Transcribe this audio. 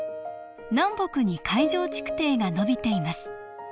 南北に海上築堤が延びています。